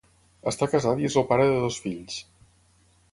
Està casat i és el pare de dos fills.